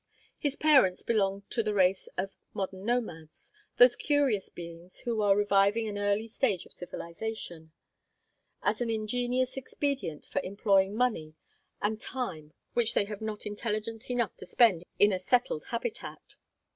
His parents belonged to the race of modern nomads, those curious beings who are reviving an early stage of civilization as an ingenious expedient for employing money and time which they have not intelligence enough to spend in a settled habitat.